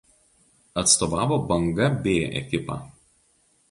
Atstovavo Banga B ekipą.